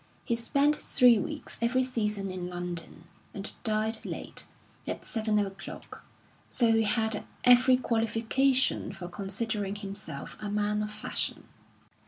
He spent three weeks every season in London, and dined late, at seven o'clock, so he had every qualification for considering himself a man of fashion.